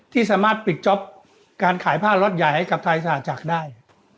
ที่สามารถปิดจบการขายผ้ารถใหญ่ให้เกปตัยสหรัฐจักรได้